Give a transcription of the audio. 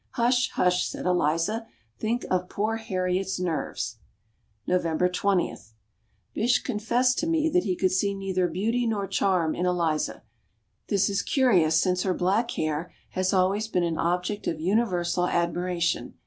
"Hush, hush!" said Eliza, "think of poor Harriet's nerves." November 20. Bysshe confessed to me that he could see neither beauty nor charm in Eliza. This is curious since her black hair has always been an object of universal admiration.